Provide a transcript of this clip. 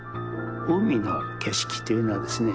海の景色というのはですね